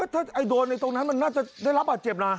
ถ้าไอ้โดนไอ้ตรงนั้นมันน่าจะได้รับหรือเจ็บนะ